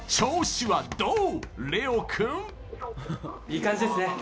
いい感じですね。